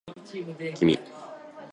君